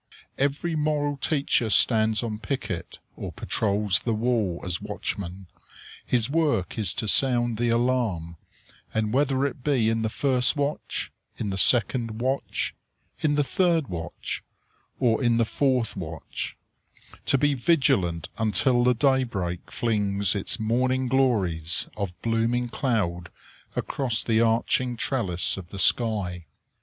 Every moral teacher stands on picket, or patrols the wall as watchman. His work is to sound the alarm; and whether it be in the first watch, in the second watch, in the third watch, or in the fourth watch, to be vigilant until the daybreak flings its "morning glories" of blooming cloud across the arching trellis of the sky.